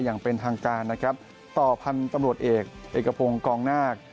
อย่างเป็นทางการนะครับต่อพันธุ์ตำรวจเอกเอกพงศ์กองนาค